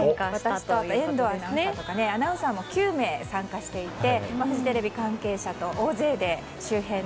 私と遠藤アナウンサーとかアナウンサーも９名参加していてフジテレビ関係者と大勢で周辺を。